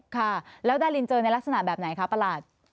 ค่ะแล้วดารินเจอในลักษณะแบบไหนคะประหลาด